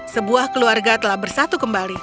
sebuah keluarga telah bersatu kembali